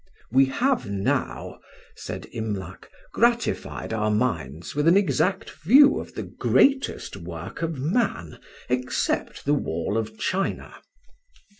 "We have now," said Imlac, "gratified our minds with an exact view of the greatest work of man, except the wall of China.